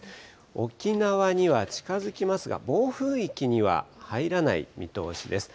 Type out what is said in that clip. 沖縄には近づきますが、暴風域には入らない見通しです。